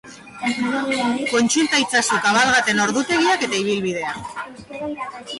Kontsulta itzazu kabalgaten ordutegiak eta ibilbideak.